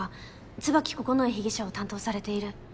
椿九重被疑者を担当されている。